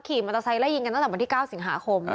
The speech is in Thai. ขี่มอเตอร์ไซค์ไล่ยิงกันตั้งแต่วันที่๙สิงหาคม